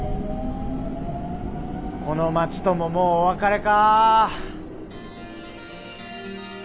この町とももうお別れか。